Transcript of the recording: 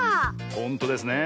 ほんとですねえ。